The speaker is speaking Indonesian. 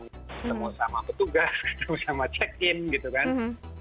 ketemu sama petugas ketemu sama check in gitu kan